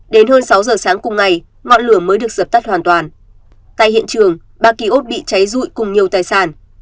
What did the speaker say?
đến hơn sáu giờ sáng cùng ngày ngọn lửa mới được dập tắt hoàn toàn tại hiện trường ba ký ốt bị cháy rụi cùng nhiều tài sản